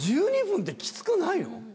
１２分ってキツくないの？